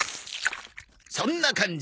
そんな感じ。